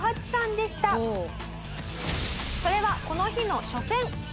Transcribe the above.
それはこの日の初戦。